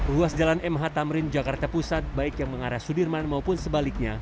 ruas jalan mh tamrin jakarta pusat baik yang mengarah sudirman maupun sebaliknya